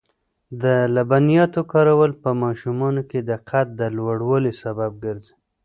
د لبنیاتو کارول په ماشومانو کې د قد د لوړوالي سبب ګرځي.